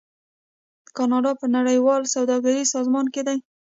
کاناډا په نړیوال سوداګریز سازمان کې دی.